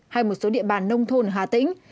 hay một số địa bàn nông thôn hà tĩnh